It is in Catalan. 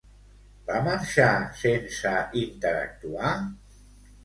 Va marxar sense interactuar?